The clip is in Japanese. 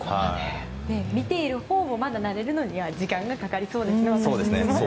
見ているほうも慣れるのにはまだ時間がかかりそうですね。